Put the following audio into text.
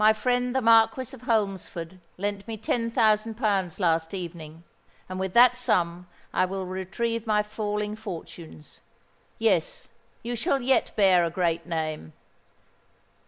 My friend the Marquis of Holmesford lent me ten thousand pounds last evening; and with that sum I will retrieve my falling fortunes. Yes—you shall yet bear a great name.